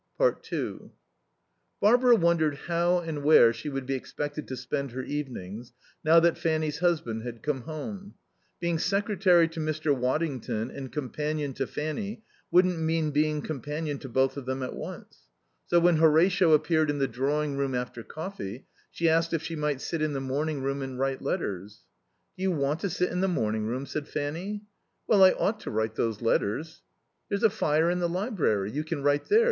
2 Barbara wondered how and where she would be expected to spend her evenings now that Fanny's husband had come home. Being secretary to Mr. Waddington and companion to Fanny wouldn't mean being companion to both of them at once. So when Horatio appeared in the drawing room after coffee, she asked if she might sit in the morning room and write letters. "Do you want to sit in the morning room?" said Fanny. "Well, I ought to write those letters." "There's a fire in the library. You can write there.